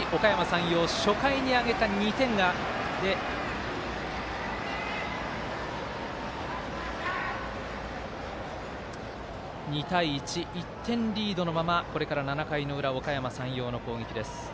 ２対１、おかやま山陽初回に挙げた２点で２対１、１点リードのままこれから７回裏、おかやま山陽の攻撃です。